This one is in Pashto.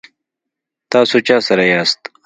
تاسو چا سره یاست؟